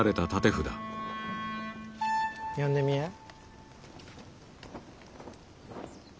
読んでみやあ。